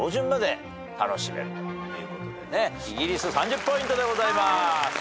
イギリス３０ポイントでございます。